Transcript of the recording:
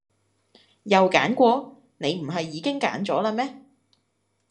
又揀過？你唔係已經揀咗啦咩